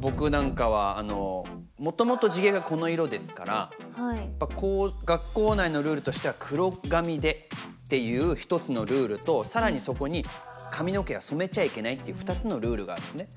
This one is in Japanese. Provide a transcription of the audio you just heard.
僕なんかはもともと地毛がこの色ですから学校内のルールとしては黒髪でっていう１つのルールと更にそこに髪の毛は染めちゃいけないっていう２つのルールがあるんですね。